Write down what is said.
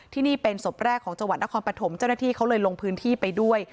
ที่นี่เป็นศพแรกของจังหวัดนครปฐมเจ้าหน้าที่เขาเลยลงพื้นที่ไปด้วย